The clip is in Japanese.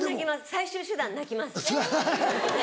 最終手段泣きます。